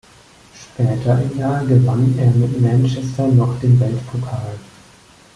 Später im Jahr gewann er mit Manchester noch den Weltpokal.